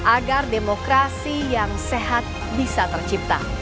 agar demokrasi yang sehat bisa tercipta